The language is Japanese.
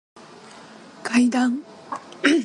階段